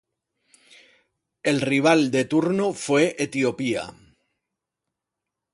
El rival de turno fue Etiopía.